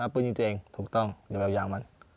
ปืนยิงตัวเองถูกต้องอย่าไปเอายางมัน